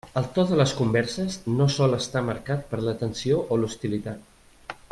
El to de les converses no sol estar marcat per la tensió o l'hostilitat.